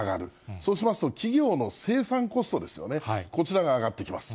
そうしますと、企業の生産コストですよね、こちらが上がっていきます。